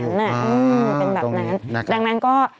เป็นแบบนั้นดังนั้นก็